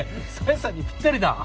紗英さんにぴったりだ！